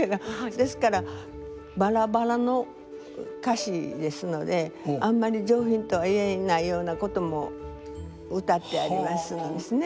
ですからばらばらの歌詞ですのであんまり上品とは言えないようなことも歌ってありますのですね。